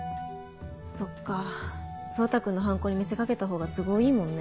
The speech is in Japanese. そっか蒼汰君の犯行に見せ掛けたほうが都合いいもんね